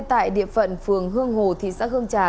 tại địa phận phường hương hồ thị xã hương trà